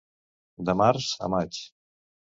De març a maig.